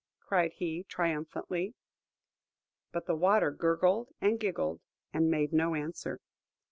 cried he, triumphantly. But the water gurgled and giggled, and made no answer.